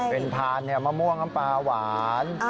เป็นพานมะม่วงน้ำปลาหวาน